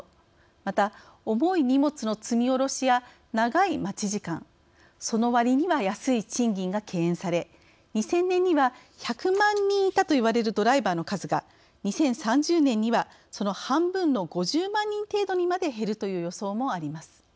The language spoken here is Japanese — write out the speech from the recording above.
また重い荷物の積み下ろしや長い待ち時間その割には安い賃金が敬遠され２０００年には１００万人いたといわれるドライバーの数が２０３０年にはその半分の５０万人程度にまで減るという予想もあります。